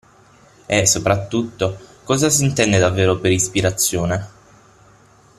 E soprattutto, cosa s'intende davvero per ispirazione?